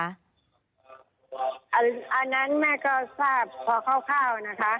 อันนั้นแม่ก็ทราบพอคร่าวนะคะ